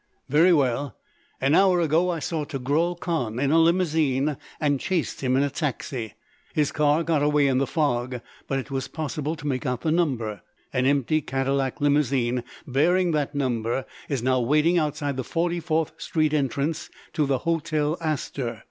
"Very well. An hour ago I saw Togrul Khan in a limousine and chased him in a taxi. His car got away in the fog but it was possible to make out the number. An empty Cadillac limousine bearing that number is now waiting outside the 44th Street entrance to the Hotel Astor.